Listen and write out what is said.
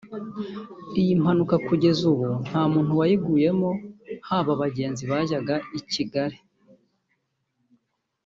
Iyi mpanuka kugeza ubu nta muntu wayiguyemo haba abagenzi bajyaga i Kigali